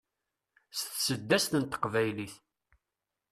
s tseddast n teqbaylit